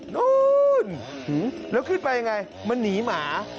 นู่นแล้วขึ้นไปยังไงมันหนีหมา